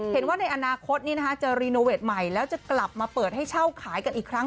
เห็นว่าในอนาคตจะรีโนเวทใหม่แล้วจะกลับมาเปิดให้เช่าขายกันอีกครั้ง